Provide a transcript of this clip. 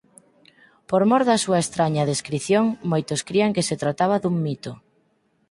Por mor da súa estraña descrición, moitos crían que se trataba dun mito.